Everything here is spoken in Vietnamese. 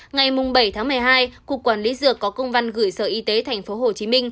ngày bảy tháng một mươi hai cục quản lý dược có công văn gửi sở y tế tp hcm